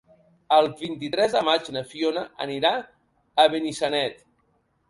El vint-i-tres de maig na Fiona anirà a Benissanet.